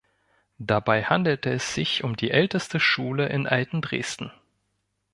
Dabei handelte es sich um die älteste Schule in Altendresden.